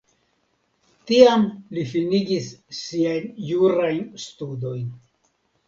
Tiam li finigis siajn jurajn studojn.